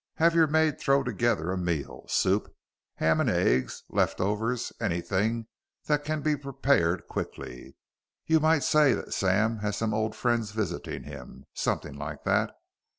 Have your maid throw together a meal; soup, ham and eggs, left overs anything that can be prepared quickly. You might say that Sam has some old friends visiting him, something like that.